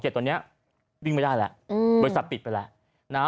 ตอนนี้วิ่งไปได้แล้วบริษัทปิดไปแล้ว